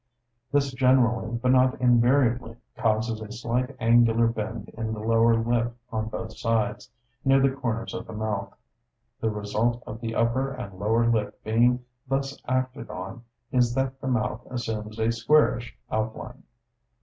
This generally, but not invariably, causes a slight angular bend in the lower lip on both sides, near the corners of the mouth. The result of the upper and lower lip being thus acted on is that the mouth assumes a squarish outline.